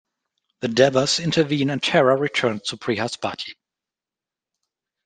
The Devas intervene and Tara returns to Brihaspati.